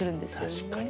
確かに。